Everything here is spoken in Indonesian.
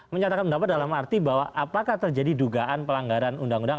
menyatakan pendapat dalam arti bahwa apakah terjadi dugaan pelanggaran undang undang